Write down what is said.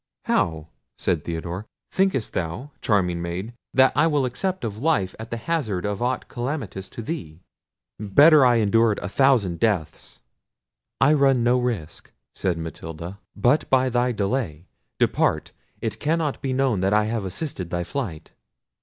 "How!" said Theodore; "thinkest thou, charming maid, that I will accept of life at the hazard of aught calamitous to thee? Better I endured a thousand deaths." "I run no risk," said Matilda, "but by thy delay. Depart; it cannot be known that I have assisted thy flight."